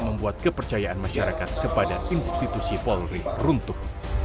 membuat kepercayaan masyarakat kepada institusi polri runtuh